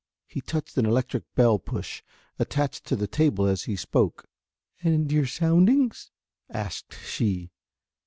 He touched an electric bell push, attached to the table, as he spoke. "And your soundings?" asked she.